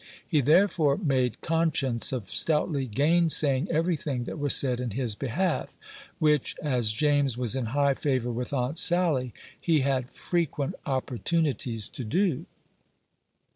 He therefore made conscience of stoutly gainsaying every thing that was said in his behalf, which, as James was in high favor with Aunt Sally, he had frequent opportunities to do.